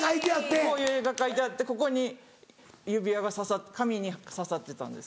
こういう絵が描いてあってここに指輪が紙にささってたんです。